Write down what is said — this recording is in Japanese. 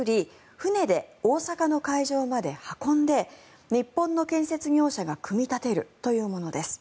船で大阪の会場まで運んで日本の建設業者が組み立てるというものです。